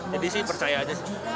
jadi sih percaya aja sih